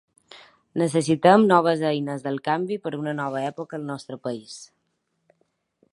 Necessitem noves eines del canvi per a una nova època al nostre país.